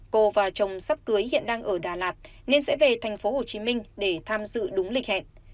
cô và chồng sắp cưới hiện đang ở đà lạt nên sẽ về tp hcm để tham dự đúng lịch hẹn